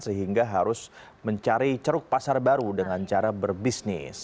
sehingga harus mencari ceruk pasar baru dengan cara berbisnis